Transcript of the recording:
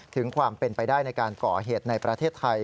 ถึงความเป็นไปได้ในการก่อเหตุในประเทศไทย